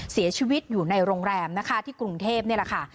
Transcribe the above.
เสียชีวิตอยู่ในโรงแรมนะคะที่กรุงเทพนี่แหละค่ะ